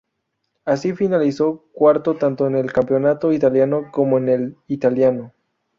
Así, finalizó cuarto tanto en el campeonato italiano como en el italiano.